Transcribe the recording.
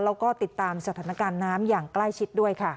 แล้วก็ติดตามสถานการณ์น้ำอย่างใกล้ชิดด้วยค่ะ